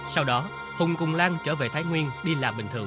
sau đó hùng cùng lan trở về thái nguyên đi làm bình thường